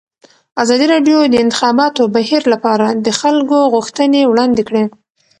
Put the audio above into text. ازادي راډیو د د انتخاباتو بهیر لپاره د خلکو غوښتنې وړاندې کړي.